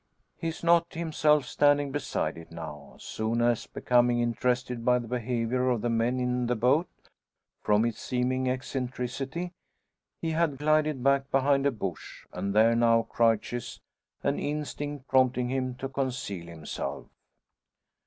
He is not himself standing beside it now. Soon as becoming interested by the behaviour of the men in the boat, from its seeming eccentricity, he had glided back behind a bush, and there now crouches, an instinct prompting him to conceal himself.